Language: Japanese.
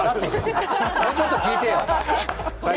もうちょっと聞いてよ！